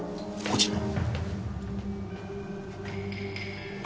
こちらに。